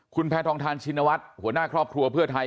คุณแพทองทานชินวัฒน์หัวหน้าครอบครัวเพื่อไทย